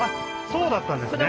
そうだったんですね